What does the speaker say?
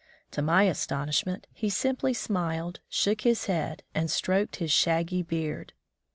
To my astonishment, he simply smiled, shook his head, and stroked his shaggy beard.